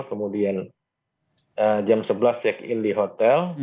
kemudian jam sebelas check in di hotel